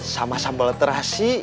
sama sambal terasi